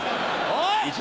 おい！